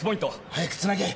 ・早くつなげ